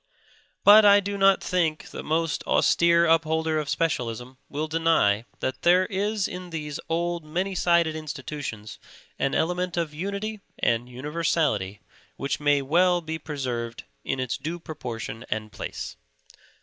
But I do not think the most austere upholder of specialism will deny that there is in these old, many sided institutions an element of unity and universality which may well be preserved in its due proportion and place.